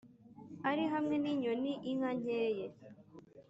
ari hamwe n’inyoni, inka nke ye,